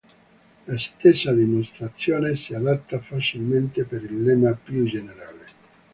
La stessa dimostrazione si adatta facilmente per il lemma più generale.